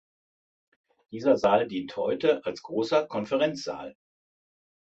Dieser Saal dient heute als großer Konferenzsaal.